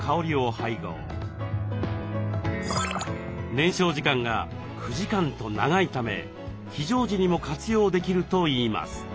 燃焼時間が９時間と長いため非常時にも活用できるといいます。